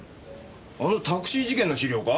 あのタクシー事件の資料か？